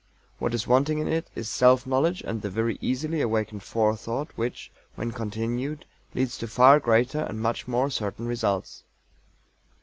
What is wanting in it is self knowledge and the very easily awakened forethought which, when continued, leads to far greater and much more certain results.